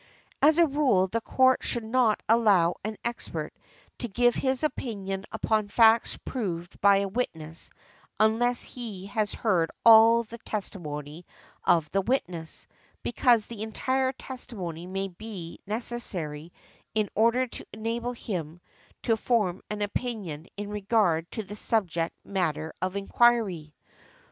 . |126| As a rule the Court should not allow an expert to give his opinion upon facts proved by a witness unless he has heard all the testimony of the witness, because the entire testimony may be necessary in order to enable him to form an opinion in regard to the subject matter of inquiry .